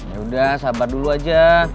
ya udah sabar dulu aja